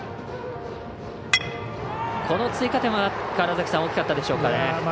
この追加点は大きかったでしょうか。